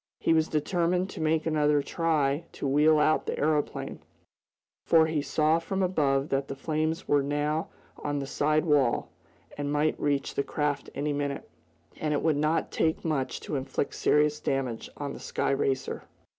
He was determined to make another try to wheel out the aeroplane, for he saw from above that the flames were now on the side wall, and might reach the craft any minute. And it would not take much to inflict serious damage on the sky racer.